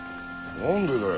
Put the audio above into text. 何でだよ。